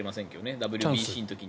ＷＢＣの時に。